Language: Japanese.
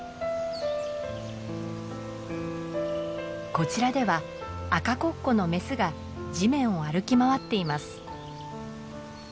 こちらではアカコッコのメスが地面を歩き回っています。